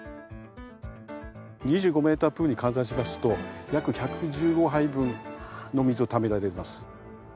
２５メータープールに換算しますと約１１５杯分の水を貯められます。